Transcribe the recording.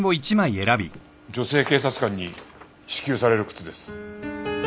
女性警察官に支給される靴です。